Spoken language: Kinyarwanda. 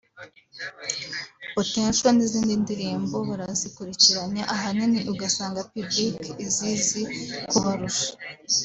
“Potential” n’izindi ndirimbo barazikurikiranya ahanini ugasanga public izizi kubarusha